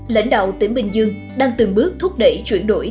lãnh đạo tỉnh bình dương đang từng bước thúc đẩy chuyển đổi